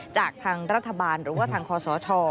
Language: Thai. จากทางรัฐบาลหรือว่าทางคอสช